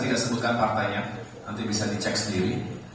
kita sebutkan partainya nanti bisa dicek sendiri